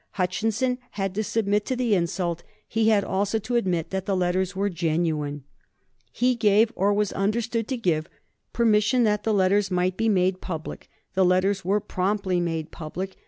Hutchinson had to submit to the insult; he had also to admit that the letters were genuine. He gave, or was understood to give, permission that the letters might be made public. The letters were promptly made public.